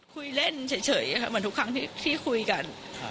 คุยเล่นเฉยค่ะเหมือนทุกครั้งที่คุยกัน